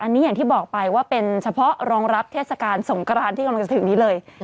อันนี้อย่างที่บอกไปว่าเป็นเฉพาะรองรับเทศกาลสงกรานที่กำลังจะถึงนี้เลย